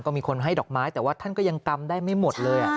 ก็มีคนให้ดอกไม้แต่ว่าท่านก็ยังกำได้ไม่หมดเลย